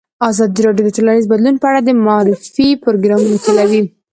ازادي راډیو د ټولنیز بدلون په اړه د معارفې پروګرامونه چلولي.